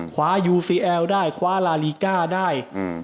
คว้ายูซีแอลได้คว้าลาลีก้าได้